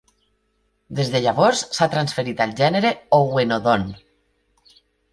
Des de llavors s'ha transferit al gènere "Owenodon".